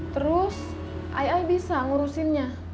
terus ai ai bisa ngurusinnya